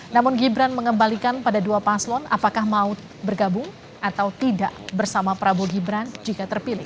namun gibran mengembalikan pada dua paslon apakah mau bergabung atau tidak bersama prabowo gibran jika terpilih